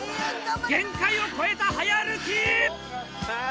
限界を超えた早歩き。